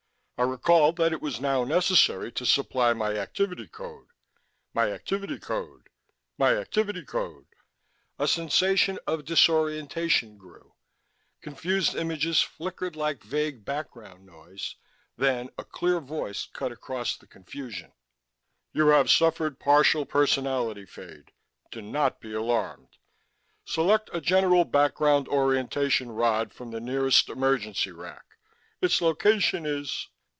I recalled that it was now necessary to supply my activity code ... my activity code ... my activity code ... (A sensation of disorientation grew; confused images flickered like vague background noise; then a clear voice cut across the confusion:)_ YOU HAVE SUFFERED PARTIAL PERSONALITY FADE. DO NOT BE ALARMED. SELECT A GENERAL BACKGROUND ORIENTATION ROD FROM THE NEAREST EMERGENCY RACK. ITS LOCATION IS....